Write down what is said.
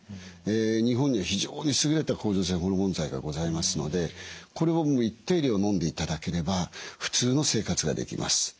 日本には非常に優れた甲状腺ホルモン剤がございますのでこれを一定量のんでいただければ普通の生活ができます。